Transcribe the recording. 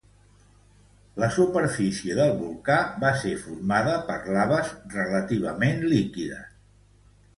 La superfície del volcà va ser formada per laves relativament líquides.